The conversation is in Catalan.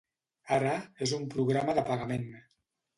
Ara, és un programa de pagament.